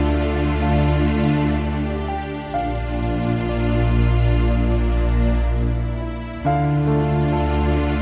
kamu masih anak